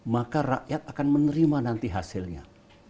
maka rakyat akan menerima nanti hasilnya